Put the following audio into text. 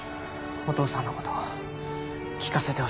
お父さんの事聞かせてほしい。